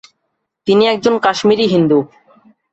তিনি একজন কাশ্মীরী হিন্দু।